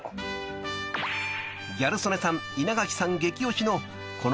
［ギャル曽根さん稲垣さん激推しのこの焼き芋